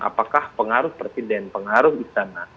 apakah pengaruh presiden pengaruh istana